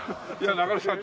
中野さん